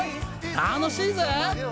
楽しいぜ。